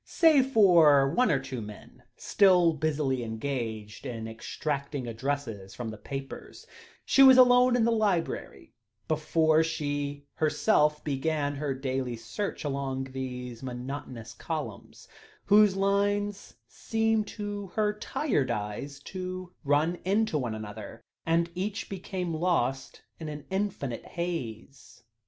Save for one or two men still busily engaged in extracting addresses from the papers, she was alone in the library, before she herself began her daily search along those monotonous columns, whose lines seemed to her tired eyes to run into one another, and become lost in an infinite haze.